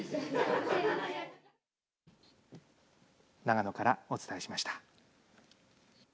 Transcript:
長野からお伝えしました。